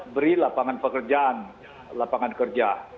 beri lapangan pekerjaan lapangan kerja